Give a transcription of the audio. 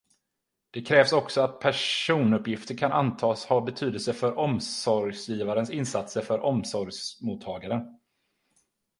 Det krävs också att personuppgifterna kan antas ha betydelse för omsorgsgivarens insatser för omsorgsmottagaren.